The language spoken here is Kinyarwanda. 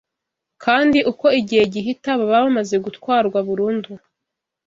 kandi uko igihe gihita, baba bamaze gutwarwa burundu